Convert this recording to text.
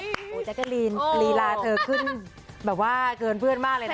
โอ้โหแจ๊กกะลีนลีลาเธอขึ้นแบบว่าเกินเพื่อนมากเลยนะ